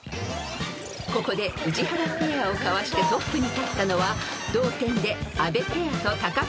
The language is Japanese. ［ここで宇治原ペアをかわしてトップに立ったのは同点で阿部ペアとタカペア］